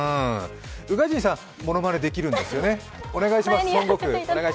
宇賀神さん、ものまねできるんですよね、お願いします。